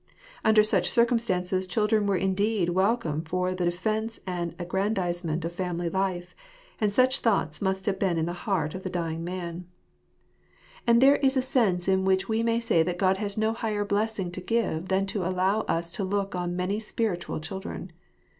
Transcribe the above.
Under such circumstances children were indeed welcome for the defence and aggrandisement of family life ; and such thoughts must have been in the heart of the dying man. "Cite ^paratet* JEjfe." 177 And there is a sense in which we may say that God has no higher blessing to give than to allow us to look on many spiritual children.